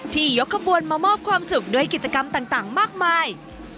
ยกขบวนมามอบความสุขด้วยกิจกรรมต่างมากมาย